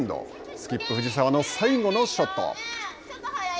スキップ・藤澤の最後のショット。